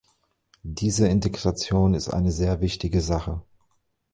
Diese Integration ist eine sehr wichtige Sache.